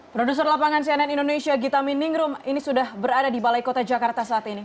produser lapangan cnn indonesia gita miningrum ini sudah berada di balai kota jakarta saat ini